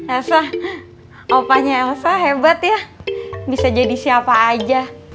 elsa opanya elsa hebat ya bisa jadi siapa aja